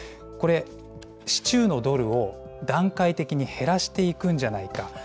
これ、市中のドルを段階的に減らしていくんじゃないか。